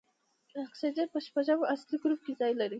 اکسیجن په شپږم اصلي ګروپ کې ځای لري.